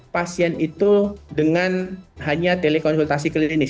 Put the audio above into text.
pasien itu dengan hanya telekonsultasi klinis